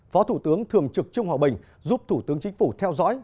phó thủ tướng thường trực trương hòa bình giúp thủ tướng chính phủ theo dõi